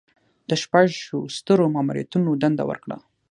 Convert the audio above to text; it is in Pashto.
د شپږو سترو ماموریتونو دنده ورکړه.